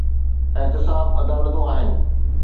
احتساب عدالتون آهن.